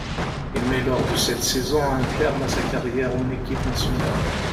Il met lors de cette saison un terme à sa carrière en équipe nationale.